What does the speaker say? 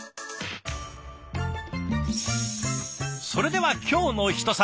それでは「きょうのひと皿」。